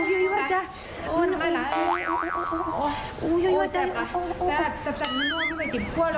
แซ่บแซ่บแซ่บน้ำปลาร้าน้ำปลาร้าจิบทั่ว